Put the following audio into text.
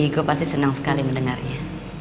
miko pasti senang sekali mendengarnya